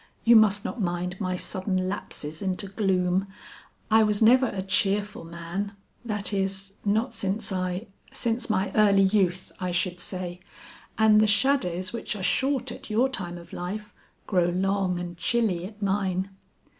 "You must not mind my sudden lapses into gloom. I was never a cheerful man, that is, not since I since my early youth I should say. And the shadows which are short at your time of life grow long and chilly at mine.